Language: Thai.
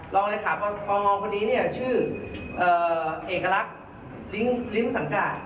รองเลขาปงคนนี้เนี่ยชื่อเอกลักษณ์ลิ้มสังกาศ